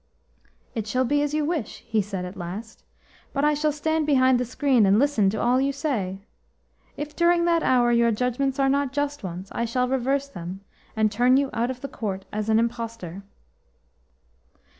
"It shall be as you wish," he said at last, "but I shall stand behind the screen and listen to all you say. If during that hour your judgments are not just ones, I shall reverse them, and turn you out of the court as an impostor."